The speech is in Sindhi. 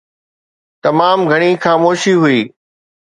تمام گهڻي خاموشي هئي